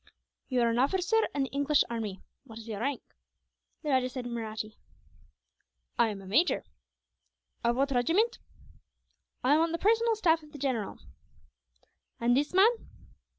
"You are an officer in the English army. What is your rank?" the rajah said in Mahratti. "I am a major." "Of what regiment?" "I am on the personal staff of the general." "And this man?"